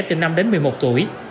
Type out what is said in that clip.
từ năm đến một mươi một tuổi